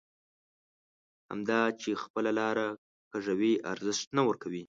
همدا چې خپله لاره کږوي ارزښت نه ورکوو.